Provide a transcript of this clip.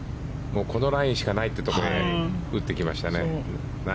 このラインしかないというところに打ってきましたね